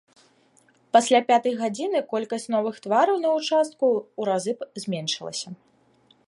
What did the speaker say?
Пасля пятай гадзіны колькасць новых твараў на ўчастку ў разы зменшылася.